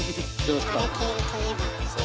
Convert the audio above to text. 「荒れている」といえば。